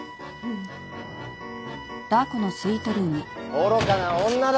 愚かな女だ。